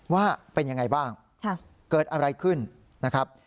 ว่าเป็นยังไงบ้างเกิดอะไรขึ้นนะครับ